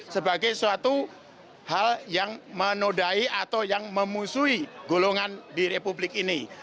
sebagai suatu hal yang menodai atau yang memusuhi golongan di republik ini